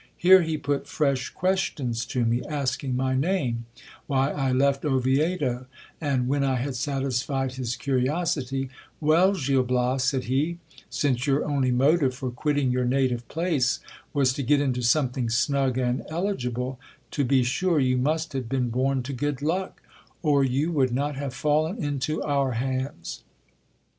Here he put fresh questions to me ; asking my name ;— why I left Oviedo ;— and when I had satisfied his curiosity : Well, Gil Bias, said he, since your only motive for quitting your native place was to get into something snug and eligible, to be sure you must have been born to good luck, or you would not have fallen into our hands.